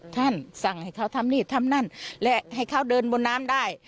สั่งให้เขาทำนี่ทำนั่นและให้เขาเดินบนน้ำได้